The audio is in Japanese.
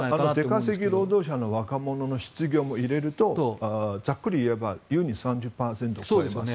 出稼ぎ労働者の若者の失業も入れるとざっくり言えば優に３０％を超えます。